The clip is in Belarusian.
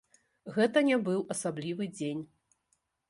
Гэта не быў асаблівы дзень.